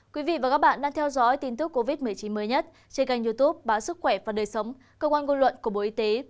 quý vị và các bạn đang theo dõi tin tức covid một mươi chín mới nhất trên kênh youtube báo sức khỏe và đời sống cơ quan ngôn luận của bộ y tế